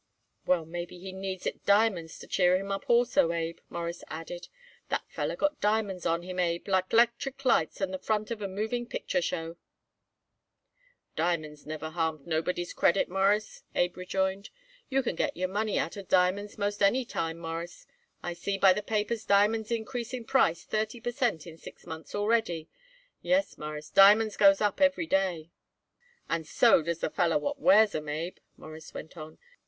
"Well, maybe he needs it diamonds to cheer him up, also, Abe," Morris added. "That feller got diamonds on him, Abe, like 'lectric lights on the front of a moving picture show." "Diamonds never harmed nobody's credit, Mawruss," Abe rejoined. "You can get your money out of diamonds most any time, Mawruss. I see by the papers diamonds increase in price thirty per cent. in six months already. Yes, Mawruss, diamonds goes up every day." "And so does the feller what wears 'em, Abe," Morris went on.